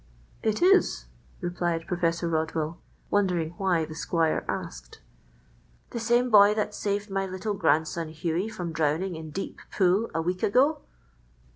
"It is," replied Professor Rodwell, wondering why the squire asked. "The same boy that saved my little grandson Hughie from drowning in Deep Pool a week ago?"